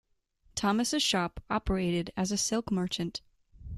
Thomas' shop operated as a silk merchant.